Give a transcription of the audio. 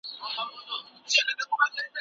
د تحقیق لارې باید د موضوع مطابق غوره سي.